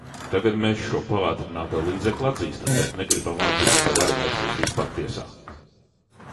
Tagad mēs šo paātrināto līdzekli atzīstam, bet negribam atzīt, ka var vērsties vispār tiesā.